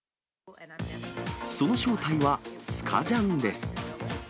その正体はスカジャンです。